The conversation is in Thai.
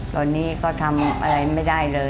ตอนนี้ก็ทำอะไรไม่ได้เลย